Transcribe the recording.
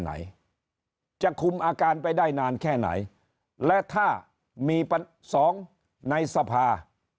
ไหนจะคุมอาการไปได้นานแค่ไหนและถ้ามีปัญหาสองในสภา